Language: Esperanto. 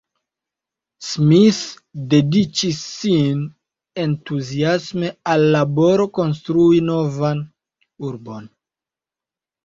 Smith dediĉis sin entuziasme al la laboro konstrui novan urbon.